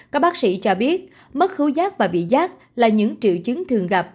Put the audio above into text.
các bác sĩ cho biết mất khứu giác và vị giác là những triệu chứng thường gặp